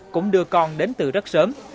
cũng đưa con đến từ rất sớm